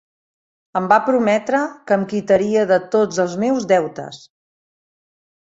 Em va prometre que em quitaria de tots els meus deutes.